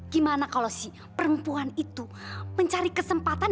gimana kalau si perempuan itu mencari kesempatan